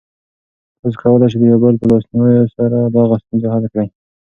تاسو کولی شئ د یو بل په لاسنیوي سره دغه ستونزه حل کړئ.